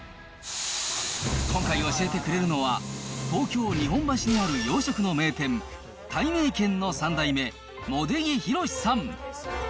今回、教えてくれるのは、東京・日本橋にある洋食の名店、たいめいけんの３代目、茂出木浩司さん。